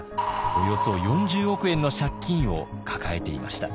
およそ４０億円の借金を抱えていました。